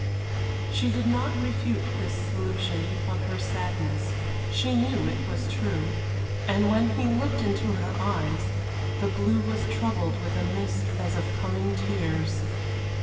She did not refute this solution of her sadness. She knew it was true. And when he looked into her eyes, the blue was troubled with a mist as of coming tears.